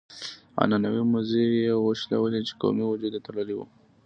عنعنوي مزي يې وشلول چې قومي وجود يې تړلی و.